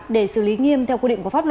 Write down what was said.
để xử lý nghiêm theo quy định của pháp